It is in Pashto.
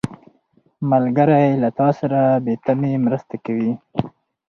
ملګری له تا سره بې تمې مرسته کوي